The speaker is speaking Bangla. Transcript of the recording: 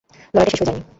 লড়াইটা শেষ হয়ে যায়নি!